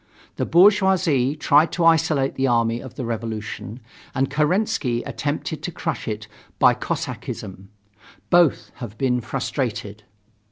The bourgeoisie tried to isolate the army of the revolution and Kerensky attempted to crush it by Cossackism. Both have been frustrated.